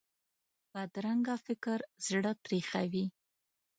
بدرنګه فکر زړه تریخوي